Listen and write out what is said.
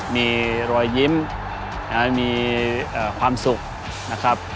มีรอยยิ้มมีความสุขนะครับ